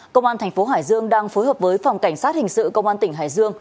công an thành phố hải dương đang phối hợp với phòng cảnh sát hình sự công an tỉnh hải dương